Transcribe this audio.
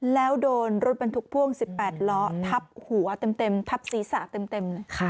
แล้วโดนรถบรรทุกพ่วง๑๘ล้อทับหัวเต็มทับศีรษะเต็มเลยค่ะ